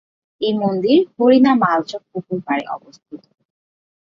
এই মন্দির হরিণা মালচক্ পুকুর পাড়ে অবস্থিত।